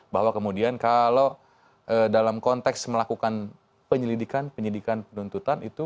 bahwa kemudian kalau dalam konteks melakukan penyelidikan penyidikan penuntutan itu